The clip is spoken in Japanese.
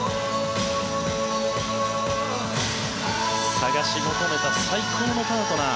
探し求めた最高のパートナー。